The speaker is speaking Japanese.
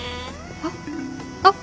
あっあっ！